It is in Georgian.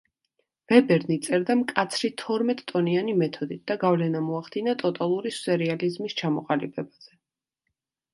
ვებერნი წერდა მკაცრი თორმეტ-ტონიანი მეთოდით და გავლენა მოახდინა ტოტალური სერიალიზმის ჩამოყალიბებაზე.